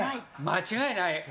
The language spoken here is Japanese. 間違いない！